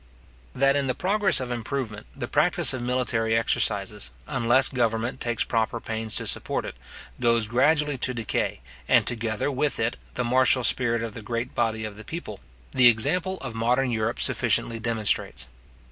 That in the progress of improvement, the practice of military exercises, unless government takes proper pains to support it, goes gradually to decay, and, together with it, the martial spirit of the great body of the people, the example of modern Europe sufficiently demonstrates.